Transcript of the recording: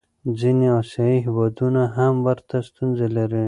ځینې آسیایي هېوادونه هم ورته ستونزې لري.